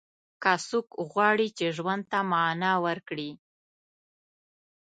که څوک غواړي چې ژوند ته معنا ورکړي.